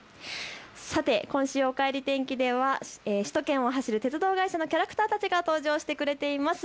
さて今週おかえり天気では首都圏を走る鉄道会社のキャラクターたちが登場してくれています。